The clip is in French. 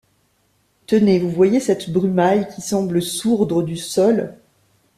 Tenez, vous voyez cette brumaille qui semble sourdre du sol?...